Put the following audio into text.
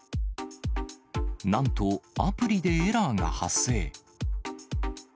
なんと、アプリでエラーが発生。